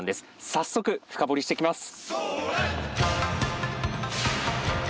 早速深掘りしてきます！